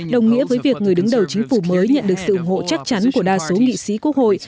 đồng nghĩa với việc người đứng đầu chính phủ mới nhận được sự ủng hộ chắc chắn của đa số nghị sĩ quốc hội